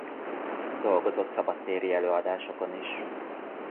Dolgozott szabadtéri előadásokon is.